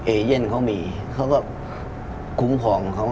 เอเย่นเขามีเขาก็คุ้มพอง